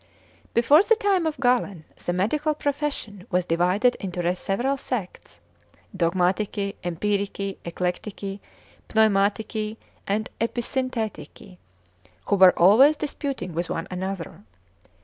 Before the time of Galen the medical profession was divided into several sects, e.g. Dogmatici, Empirici, Eclectici, Pneumatici, and Episynthetici, who were always disputing with one another.